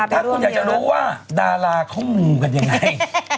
แต่คุณจะรู้ว่าดาราเขามูกันยังไง